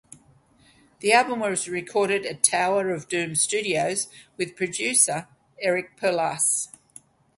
The album was recorded at Tower of Doom Studios with producer Eric Perlas.